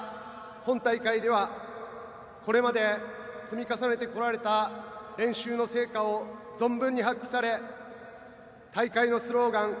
本大会ではこれまで積み重ねてこられた練習の成果を存分に発揮され大会のスローガン